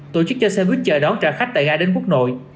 tổ chức cho xe buýt chở đón trả khách tại gai đến quốc nội